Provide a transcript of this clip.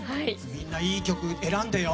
みんな、いい曲選んでよ！